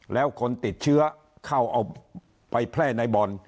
แล้วคนติดเชื้อเข้าเอาไปแพร่ในบ่อน